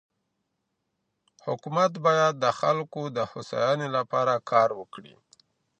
حکومت بايد د خلګو د هوساینې لپاره کار وکړي.